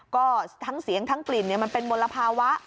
ก็ทั้งเสียงทั้งกลิ่นมันเป็นมลภาวะ